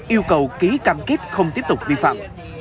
yêu cầu ký cam kết không tiếp tục vi phạm